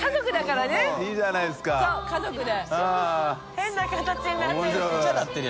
変な形になってる。